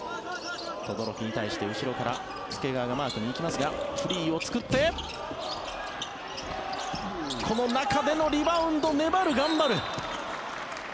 轟に対して後ろから介川がマークに行きますがフリーを作ってこの中でのリバウンド粘る、頑張る。